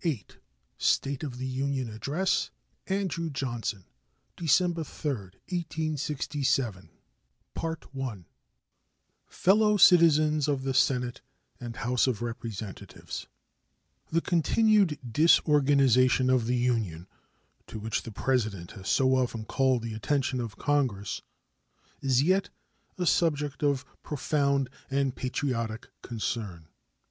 State of the Union Address Andrew Johnson December 3, 1867 Fellow Citizens of the Senate and House of Representatives: The continued disorganization of the Union, to which the President has so often called the attention of Congress, is yet a subject of profound and patriotic concern.